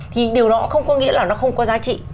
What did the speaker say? thì điều đó không có nghĩa là nó không có giá trị